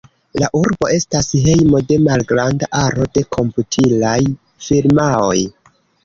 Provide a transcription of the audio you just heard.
La urbo estas hejmo de malgranda aro de komputilaj firmaoj.